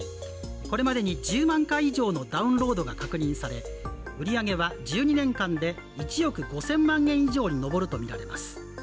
これまでに１０万回以上のダウンロードが確認され、売り上げは１２年間で１億５０００万円以上に上るとみられます。